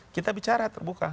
kita bicara terbuka